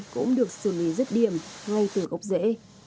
cũng được xử lý rứt điểm ngay từ gốc rễ